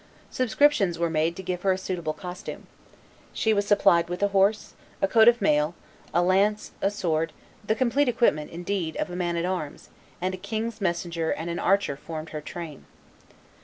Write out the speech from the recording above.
Subscriptions were made to give her a suitable costume. She was supplied with a horse, a coat of mail, a lance, a sword, the complete equipment, indeed, of a man at arms; and a king's messenger and an archer formed her train.